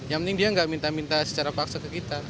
yang penting dia nggak minta minta secara paksa ke kita